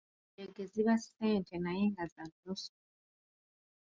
Jjege ziba ssente naye nga za nnusu.